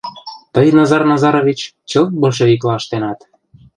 Тый, Назар Назарович, чылт большевикла ыштенат...